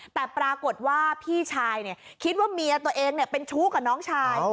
แต่ปรากฏว่าพี่ชายคิดว่าเมียตัวเองเป็นชู้กับน้องชาย